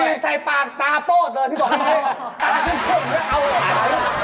บีบใส่ปากตาโป๊บเลยพี่บอล